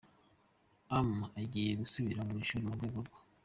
am agiye gusubira mu ishuri mu rwego rwo.